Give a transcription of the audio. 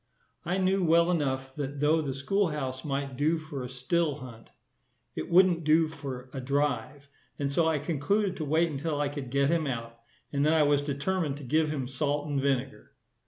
I knew well enough that though the school house might do for a still hunt, it wouldn't do for a drive, and so I concluded to wait until I could get him out, and then I was determined to give him salt and vinegar.